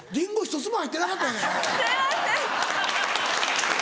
すいません。